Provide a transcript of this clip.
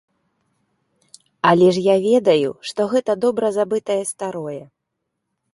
Але ж я ведаю, што гэта добра забытае старое.